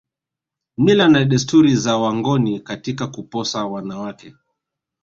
Mila na desturi za wangoni katika kuposa wanawake